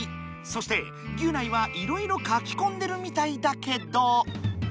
そしてギュナイはいろいろ書きこんでるみたいだけど。